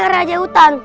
saya raja hutan